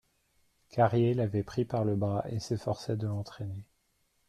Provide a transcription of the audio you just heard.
Carrier l'avait pris par le bras et s'efforçait de l'entraîner.